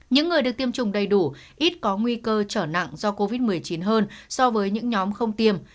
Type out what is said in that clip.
những người được tiêm chủng đầy đủ ít có nguy cơ trở nặng do covid một mươi chín hơn so với những nhóm không tiêm